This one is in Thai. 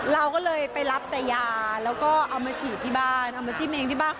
เราก็เลยไปรับแต่ยาแล้วก็เอามาฉีดที่บ้านเอามาจิ้มเองที่บ้าน